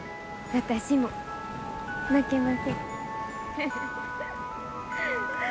私も負けません。